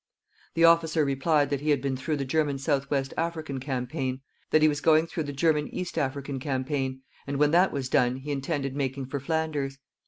The officer replied that he had been through the German South West African campaign, that he was going through the German East African campaign, and when that was done he intended making for Flanders.